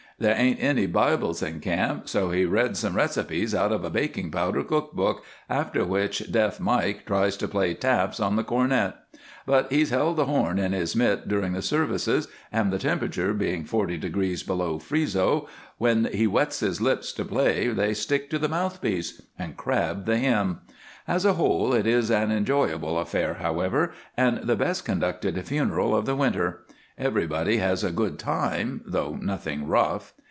There ain't any Bible in camp, so he read some recipes out of a baking powder cook book, after which Deaf Mike tries to play 'Taps' on the cornet. But he's held the horn in his mit during the services, and, the temperature being forty degrees below freezo, when he wets his lips to play they stick to the mouthpiece and crab the hymn. As a whole, it is an enjoyable affair, however, and the best conducted funeral of the winter. Everybody has a good time, though nothing rough.